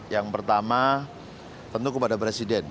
yang pertama tentu kepada presiden